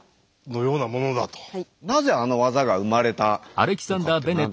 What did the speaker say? なぜあの技が生まれたのかって